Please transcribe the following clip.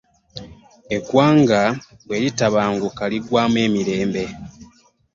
Eggwanga bwe litabanguka liggwaamu emirembe.